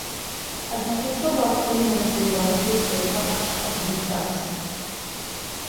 Адначасова актыўна развівалася сетка ашчадных кас.